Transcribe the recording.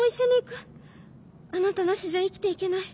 あなたなしじゃ生きていけない。